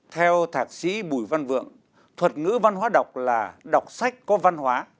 theo thạc sĩ bùi văn vượng thuật ngữ văn hóa đọc là đọc sách có văn hóa